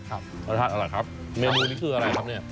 ครับรสชาติอร่อยครับเมนูนี้คืออะไรครับเนี้ย